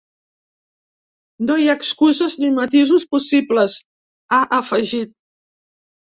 No hi ha excuses ni matisos possibles, ha afegit.